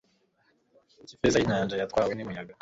ku ifeza y'inyanja yatwawe n'umuyaga